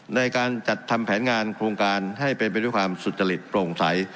ในการจัดทำแผนงานโครงการให้เป็นไปด้วยความสุจริตโปร่งใส